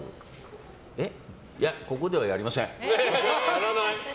ここでは、やりません。